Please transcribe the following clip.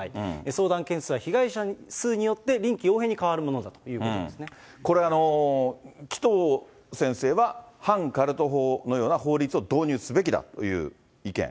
相談件数は被害者数によって臨機応変に変わるものだということでこれ、紀藤先生は反カルト法のような法律を導入すべきだという意見。